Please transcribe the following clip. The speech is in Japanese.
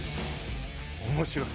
面白い。